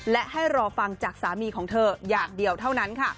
และให้รอฟังจากสามีของเธออย่างเดียวเท่านั้นค่ะ